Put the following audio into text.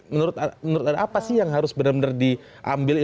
menurut anda apa sih yang harus benar benar diambil